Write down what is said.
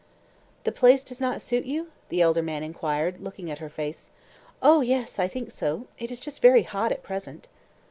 "The place does not suit you?" the elder man inquired, looking at her face. "Oh, yes, I think so; it is just very hot at present."